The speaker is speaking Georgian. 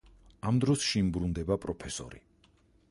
ამ დროს შინ ბრუნდება პროფესორი.